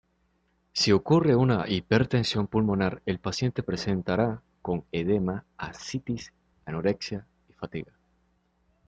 Si ocurre una hipertensión pulmonar el paciente presentará con edema, ascitis, anorexia y fatiga.